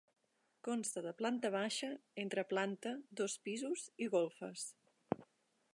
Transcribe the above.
Consta de planta baixa, entreplanta, dos pisos i golfes.